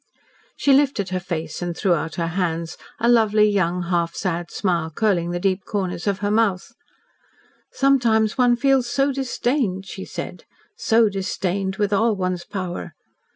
She lifted her face and threw out her hands, a lovely young half sad smile curling the deep corners of her mouth. "Sometimes one feels so disdained," she said "so disdained with all one's power.